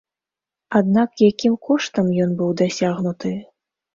Аднак якім коштам ён быў дасягнуты?